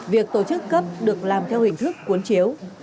việc tổ chức cấp được làm theo hình thức cuốn chiếu